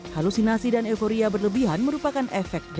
halusinasi dan euforia berlebihan merupakan efek dari